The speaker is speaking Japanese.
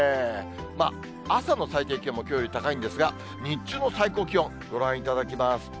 まあ、朝の最低気温もきょうより高いんですが、日中の最高気温、ご覧いただきます。